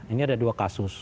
ini ada dua kasus